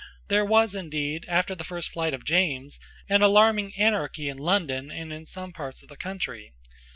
There was indeed, after the first flight of James, an alarming anarchy in London and in some parts of the country.